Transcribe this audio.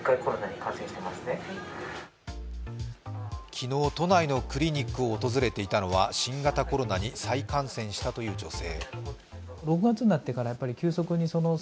昨日、都内のクリニックを訪れていたのは新型コロナに再感染したという女性。